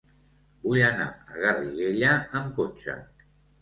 Vull anar a Garriguella amb cotxe.